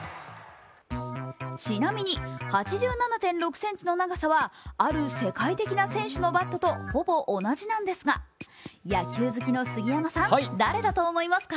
ちなみに８７．６ｃｍの長さはある世界的な選手のバットとほぼ同じなんですが野球好きの杉山さん、誰だと思いますか？